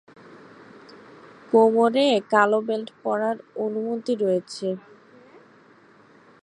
কোমরে কালো বেল্ট পরার অনুমতি রয়েছে।